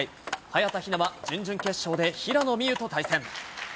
早田ひなは準々決勝で平野美宇と対戦。